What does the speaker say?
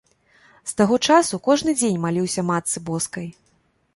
З таго часу кожны дзень маліўся матцы боскай.